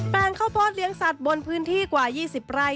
ข้าวโพดเลี้ยงสัตว์บนพื้นที่กว่า๒๐ไร่